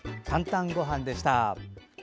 「かんたんごはん」でした。